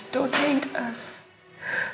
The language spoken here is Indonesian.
tolong jangan mencintai kami